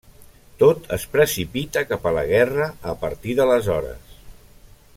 Tot es precipita cap a la guerra a partir d’aleshores.